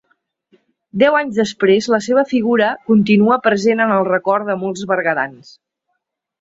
Deu anys després, la seva figura continua present en el record de molts berguedans.